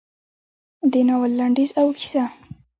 د ناول لنډیز او کیسه: